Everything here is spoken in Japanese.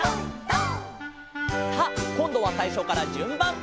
「」さあこんどはさいしょからじゅんばん。